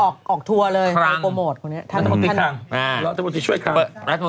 คนนี้ออกทัวร์เลยโปรโมทคนนี้